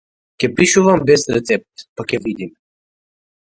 Ќе пишувам без рецепт, па ќе видиме.